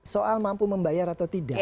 soal mampu membayar atau tidak